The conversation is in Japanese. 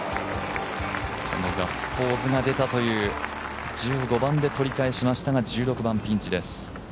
このガッツポーズが出たという１５番で取り返しましたが１６番ピンチです。